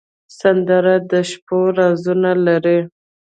سندره د شپو رازونه لري